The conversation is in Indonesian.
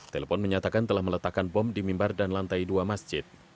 telepon menyatakan telah meletakkan bom di mimbar dan lantai dua masjid